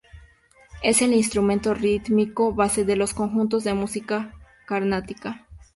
Es el instrumento rítmico base de los conjuntos de música carnática.